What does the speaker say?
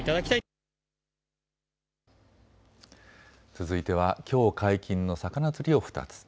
続いてはきょう解禁の魚釣りを２つ。